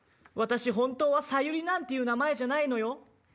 私本当はサユリなんていう名前じゃないのよ。